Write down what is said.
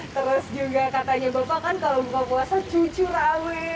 terus juga katanya bapak kan kalau buka puasa cucu rame